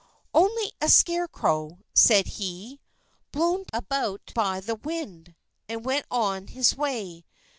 "Only a scarecrow," said he, "blown about by the wind," and went on his way.